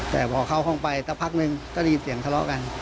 แต่พอเข้าห้องไปสักพักหนึ่งก็ได้ยินเสียงทะเลาะกัน